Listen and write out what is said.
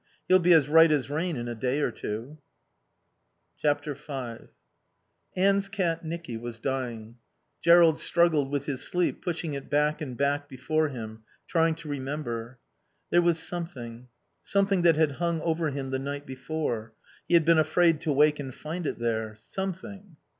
He'll be as right as rain in a day or two." V Anne's cat Nicky was dying. Jerrold struggled with his sleep, pushing it back and back before him, trying to remember. There was something; something that had hung over him the night before. He had been afraid to wake and find it there. Something